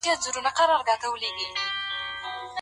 محبت د چا لخوا د انسان په زړه کي اچول کېږي؟